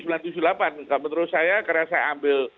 menurut saya karena saya ambil